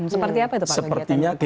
seperti apa itu pak